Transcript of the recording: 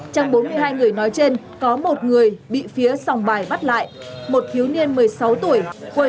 trong bốn mươi hai người nói trên có một người bị phía sòng bài bắt lại một thiếu niên một mươi sáu tuổi